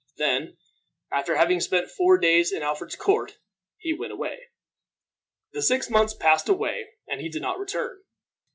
Then, after having spent four days in Alfred's court, he went away. The six months passed away and he did not return.